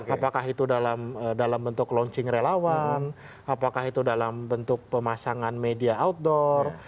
apakah itu dalam bentuk launching relawan apakah itu dalam bentuk pemasangan media outdoor